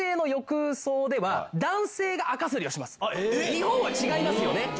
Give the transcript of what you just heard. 日本は違いますよね。